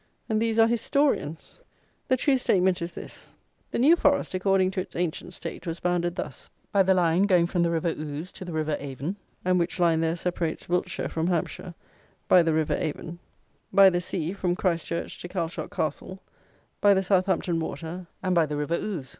And these are "historians." The true statement is this: the New Forest, according to its ancient state, was bounded thus: by the line, going from the river Oux to the river Avon, and which line there separates Wiltshire from Hampshire; by the river Avon; by the sea from Christchurch to Calshot Castle; by the Southampton Water; and by the river Oux.